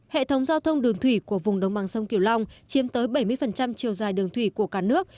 hệ thống giao thông đường thủy của vùng đồng bằng sông kiều long chiếm tới bảy mươi chiều dài đường thủy của cả nước